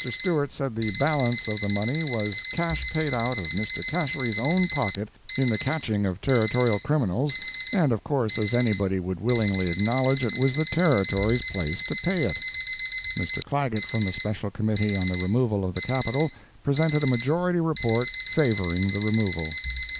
Stewart said the balance of the money was cash paid out of Mr. Gasherie's own pocket in the catching of Territorial criminals, and of course as anybody would willingly acknowledge, it was the Territory's place to pay it. Mr. Clagett, from the Special Committee on the removal of the capital, presented a majority report favoring the removal.